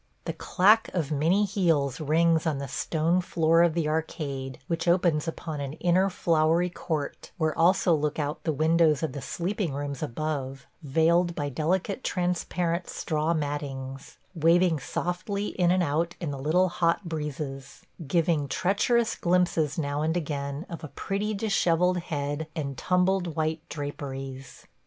The clack of many heels rings on the stone floor of the arcade, which opens upon an inner flowery court, where also look out the windows of the sleeping rooms above, veiled by delicate transparent straw mattings – waving softly in and out in the little hot breezes, giving treacherous glimpses now and again of a pretty dishevelled head and tumbled white draperies.